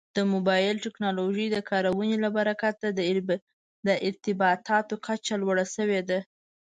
د موبایل ټکنالوژۍ د کارونې له برکته د ارتباطاتو کچه لوړه شوې ده.